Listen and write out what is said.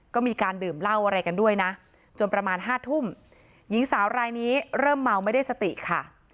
ก็มีการดื่มเหล้าอะไรกันด้วยนะจนประมาณห้าทุ่มหญิงสาวรายนี้เริ่มเมาไม่ได้สติค่ะ